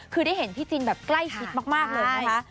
คือได้เห็นพี่จินแบบใกล้ชิดมากเลยนะคะ